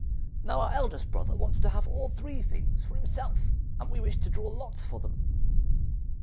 Now our eldest brother wants to have all three things for himself, and we wish to draw lots for them.